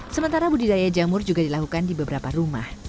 sementara budidaya jamur juga dilakukan di beberapa rumah